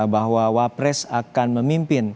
bahwa wapres akan memimpin